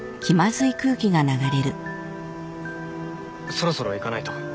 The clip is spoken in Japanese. そろそろ行かないと。